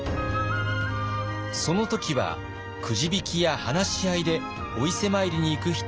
その時はくじ引きや話し合いでお伊勢参りに行く人を決定。